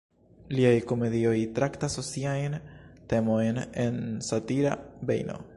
Liaj komedioj traktas sociajn temojn en satira vejno.